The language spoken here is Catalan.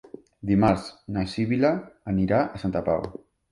Dimarts na Sibil·la anirà a Santa Pau.